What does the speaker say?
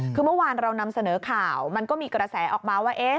คือเมื่อวานเรานำเสนอข่าวมันก็มีกระแสออกมาว่า